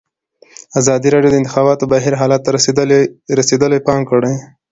ازادي راډیو د د انتخاباتو بهیر حالت ته رسېدلي پام کړی.